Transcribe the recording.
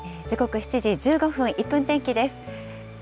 時刻７時１５分、１分天気です。